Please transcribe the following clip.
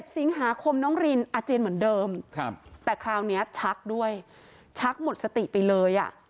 สิงหาคมน้องรินอาเจียนเหมือนเดิมแต่คราวนี้ชักด้วยชักหมดสติไปเลย